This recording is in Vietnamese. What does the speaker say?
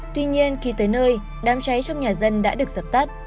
tuy nhiên khi tới nơi đám cháy trong nhà dân đã được dập tắt